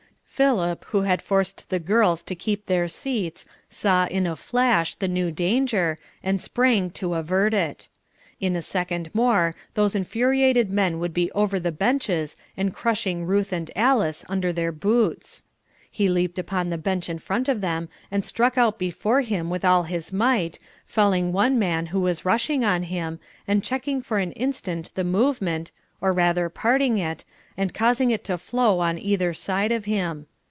Philip who had forced the girls to keep their seats saw, in a flash, the new danger, and sprang to avert it. In a second more those infuriated men would be over the benches and crushing Ruth and Alice under their boots. He leaped upon the bench in front of them and struck out before him with all his might, felling one man who was rushing on him, and checking for an instant the movement, or rather parting it, and causing it to flow on either side of him.